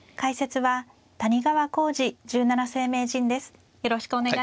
はい。